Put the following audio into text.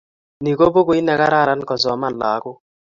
Ni ko bukuit ne kararan kosoman lagok